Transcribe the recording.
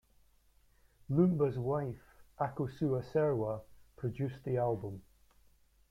Lumba's wife, Akosua Serwa, produced the album.